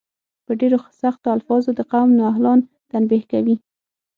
په ډیرو سختو الفاظو د قوم نا اهلان تنبیه کوي.